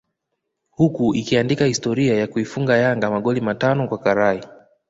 huku ikiandika historia ya kuifunga Yanga magoli matano kwa karai